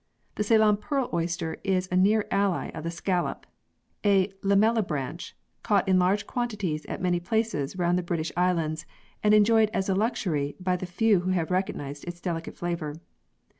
The Ceylon pearl oyster is a near ally of the scallop, a lamellibranch caught in large quantities at many places round the British Islands and enjoyed as a luxury by the few who have recognised its delicate flavour.